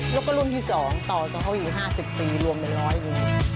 ยกรุ่นที่๒ต่อจะเขาอีก๕๐ปีรวมเป็น๑๐๐ปี